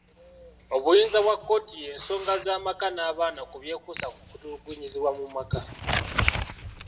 Obuyinza bwa kkooti y'ensonga z'amaka n'abaana ku byekuusa ku kutulugunyizibwa mu maka.